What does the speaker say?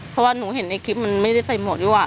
เพราะว่าหนูเห็นในคลิปมันไม่ได้ใส่หมวกด้วย